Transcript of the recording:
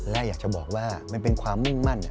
และอยากจะบอกว่ามันเป็นความมุ่งมั่น